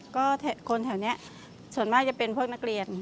ก็คนแถวนี้ส่วนมากจะเป็นพวกนักเรียน